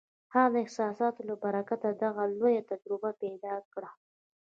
هغه د احساساتو له برکته دغه لویه تجربه پیدا کړه